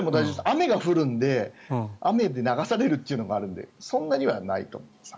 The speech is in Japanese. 雨が降るんで雨で流されるというのもあるのでそんなにはないと思います。